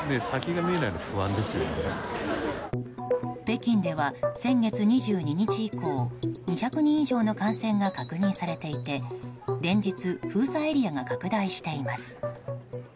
北京では先月２２日以降２００人以上の感染が確認されていて連日、封鎖エリアが拡大しています。